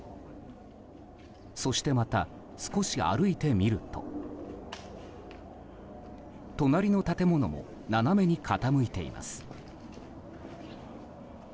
そしてまた、少し歩いてみると隣の建物も斜めに傾いています。